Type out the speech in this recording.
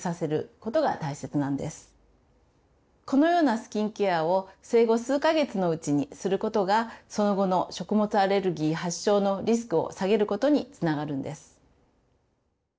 このようなスキンケアを生後数か月のうちにすることがその後の食物アレルギー発症のリスクを下げることにつながるんです。